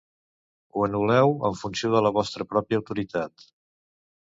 Ho anul·leu en funció de la vostra pròpia autoritat.